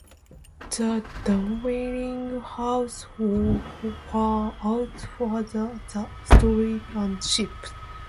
The dwelling houses far outnumbered the stores and shops.